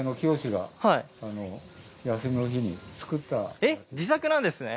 えっ自作なんですね？